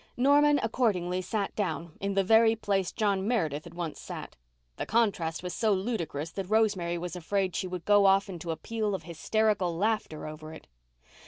Norman accordingly sat down in the very place John Meredith had once sat. The contrast was so ludicrous that Rosemary was afraid she would go off into a peal of hysterical laughter over it.